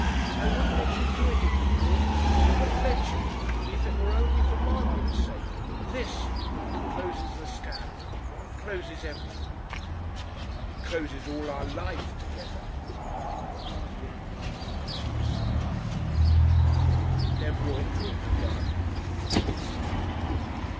I wouldn't let you do it if you could. I wouldn't let you if it were only for Margaret's sake. THIS... closes the scandal, closes everything." "It closes all our life together," I cried. She was silent. "It never ought to have begun," I said.